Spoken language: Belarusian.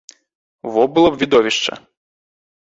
Во было б відовішча!